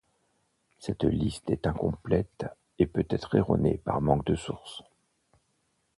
Cette liste est incomplète et peut-être erronée par manque de sources.